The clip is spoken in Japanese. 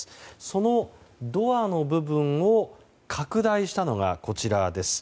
そのドアの部分を拡大したのがこちらです。